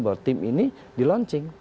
bahwa tim ini di launching